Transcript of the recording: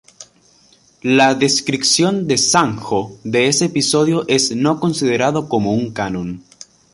La descripción de San Ho de ese episodio es no considerado como un canon.